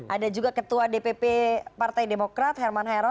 ada juga ketua dpp partai demokrat herman hero